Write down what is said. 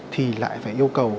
thì lại phải yêu cầu